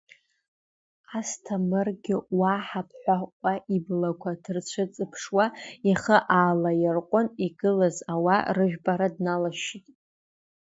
Асҭа-мыргьы, уаҳа мҳәакәа иблақәа дырцәыҵыԥшуа, ихы аалаир-ҟәын игылаз ауаа рыжәпара дналашьшьит.